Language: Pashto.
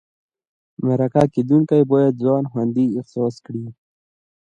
مرکه کېدونکی باید ځان خوندي احساس کړي.